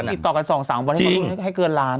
ติดต่อกันสองสามวันให้เกินล้าน